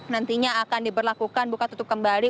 nantinya akan diberlakukan buka tutup kembali